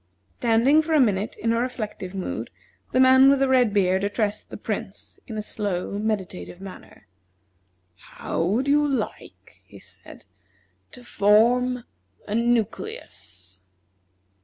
Standing for a minute in a reflective mood, the man with the red beard addressed the Prince in a slow, meditative manner: "How would you like," he said, "to form a nucleus?"